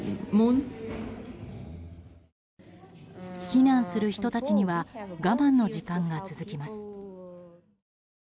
避難する人たちには我慢の時間が続きます。